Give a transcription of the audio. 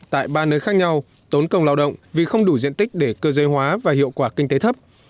tại ba nơi khác nhau tốn công lao động vì không đủ diện tích để cơ giới hóa và hiệu quả kinh tế thấp